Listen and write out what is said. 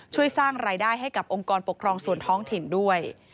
ช่วยสร้างรายได้ให้กับองค์กรปกครองส่วนท้องถิ่นด้วย